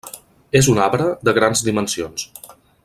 És un arbre de grans dimensions.